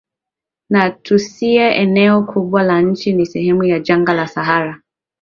na TunisiaEneo kubwa la nchi ni sehemu ya jangwa la Sahara